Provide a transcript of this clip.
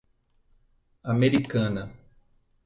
Americana